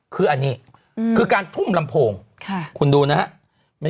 คืออันนี้คือการทุ่มลำโพงคุณดูนะครับ